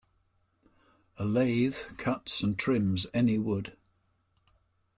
A lathe cuts and trims any wood.